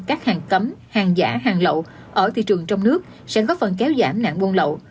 các hàng cấm hàng giả hàng lậu ở thị trường trong nước sẽ góp phần kéo giảm nạn buôn lậu